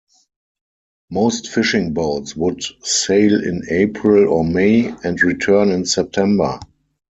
Most fishing boats would sail in April or May and return in September.